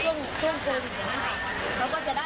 เหมือนคนที่ไม่มีข้าวทานในช่วงโครงอย่างนั้นค่ะ